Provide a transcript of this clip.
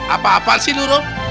apa apaan sih lu rum